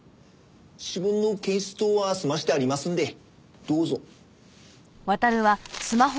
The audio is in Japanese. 指紋の検出等は済ませてありますんでどうぞ。